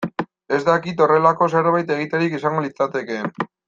Ez dakit horrelako zerbait egiterik izango litzatekeen.